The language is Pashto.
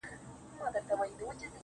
ځکه که چیرې د ګاز لیک